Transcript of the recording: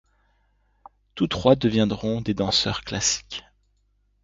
Tous trois deviendront des danseurs classiques.